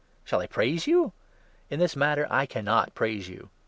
Shall I praise you ? In this matter I cannot praise you.